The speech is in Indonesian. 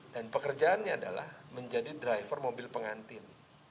dan pekerjaannya adalah menjadi driver mobil pengantin